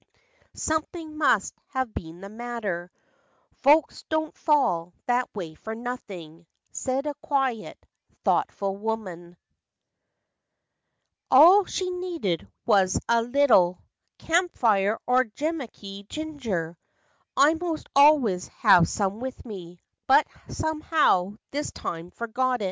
"Something must have been the matter, Folks do n't fall that way for nothing," Said a quiet, thoughtful woman. PACTS AND FANCIES. n " All she needed was a leetle Campfire or Jemaky ginger; I most always have some with me, But somehow, this time, forgot it.